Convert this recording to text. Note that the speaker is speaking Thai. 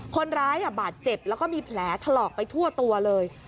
คนร้ายบาดเจ็บแล้วก็มีแผลถลอกไปทั่วตัวเลย